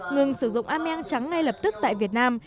ngừng sử dụng ameang trắng ngay lập tức tại việt nam